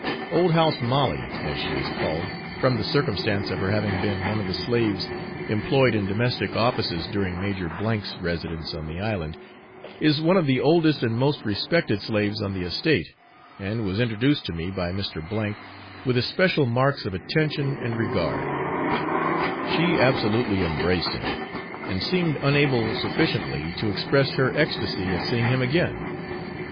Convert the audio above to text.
Old House Molly, as she is called, from the circumstance of her having been one of the slaves employed in domestic offices during Major 's residence on the island, is one of the oldest and most respected slaves on the estate, and was introduced to me by Mr. with especial marks of attention and regard; she absolutely embraced him, and seemed unable sufficiently to express her ecstacy at seeing him again.